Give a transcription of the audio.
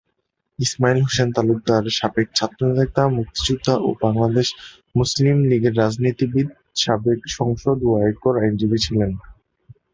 ইসমাইল হোসেন তালুকদার সাবেক ছাত্রনেতা মুক্তিযোদ্ধা ও বাংলাদেশ মুসলিম লীগের রাজনীতিবিদ, সাবেক সাংসদ ও আয়কর আইনজীবী ছিলেন।